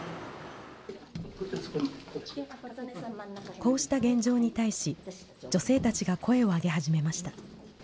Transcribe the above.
こうした現状に対し、女性たちが声を上げ始めました。